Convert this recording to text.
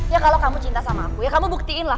ya kalau kamu cinta sama aku kamu buktiinlah